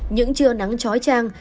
những trưa nắng chói trang